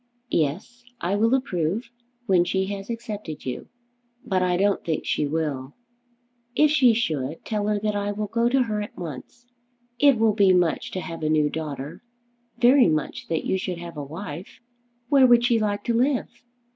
"Yes; I will approve. When she has accepted you " "But I don't think she will." "If she should, tell her that I will go to her at once. It will be much to have a new daughter; very much that you should have a wife. Where would she like to live?"